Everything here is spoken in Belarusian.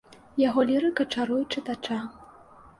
Яго лірыка чаруе чытача.